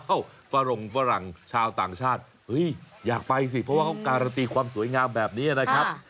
ฝรงฝรั่งชาวต่างชาติเฮ้ยอยากไปสิเพราะว่าเขาการันตีความสวยงามแบบนี้นะครับ